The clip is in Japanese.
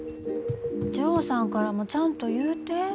ジョーさんからもちゃんと言うて。